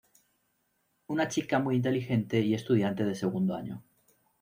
Una chica muy inteligente y estudiante de segundo año.